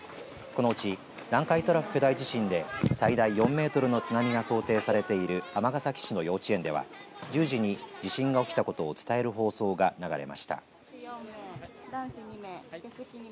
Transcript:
このうち、南海トラフ巨大地震で最大４メートルの津波が想定されている尼崎市の幼稚園では１０時に地震が起きたことを伝える放送が流れました。